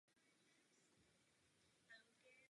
Dále potok přitéká do města Valašské Klobouky.